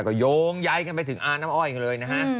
ก็โยงใยกันไปถึงอาน้ำอ้อยกันเลยนะฮะ